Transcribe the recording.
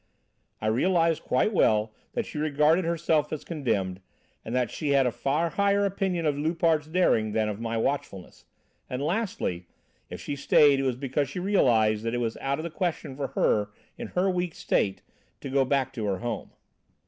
I realised quite well that she regarded herself as condemned, that she had a far higher opinion of Loupart's daring than of my watchfulness, and, lastly, if she stayed it was because she realised that it was out of the question for her, in her weak state, to go back to her home."